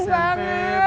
iya pening banget